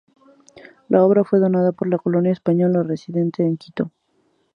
La obra fue donada por la colonia española residente en Quito.